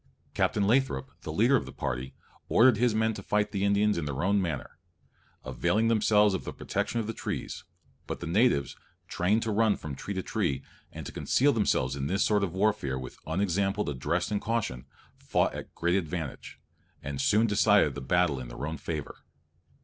Captain Lathrop, the leader of the party, ordered his men to fight the Indians in their own manner, availing themselves of the protection of the trees; but the natives, trained to run from tree to tree, and to conceal themselves in this sort of warfare with unexampled address and caution, fought at great advantage, and soon decided the battle in their own favour.